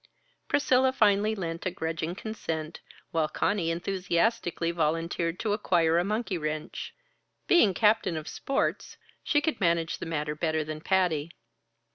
Priscilla finally lent a grudging consent, while Conny enthusiastically volunteered to acquire a monkey wrench. Being captain of sports, she could manage the matter better than Patty.